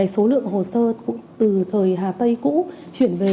số lượng hồ sơ từ thời hà tây cũ chuyển về